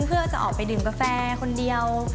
เพื่อจะออกไปดื่มกาแฟคนเดียว